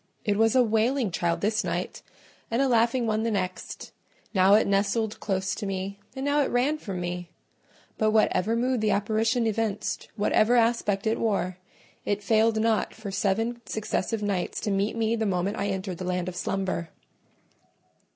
It was a wailing child this night, and a laughing one the next: now it nestled close to me, and now it ran from me; but whatever mood the apparition evinced, whatever aspect it wore, it failed not for seven successive nights to meet me the moment I entered the land of slumber.